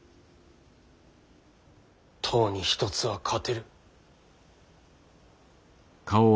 十に一つは勝てる。